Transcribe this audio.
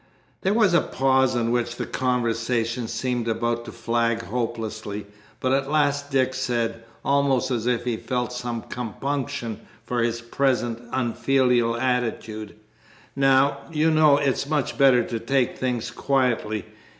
There was a pause, in which the conversation seemed about to flag hopelessly, but at last Dick said, almost as if he felt some compunction for his present unfilial attitude: "Now, you know, it's much better to take things quietly.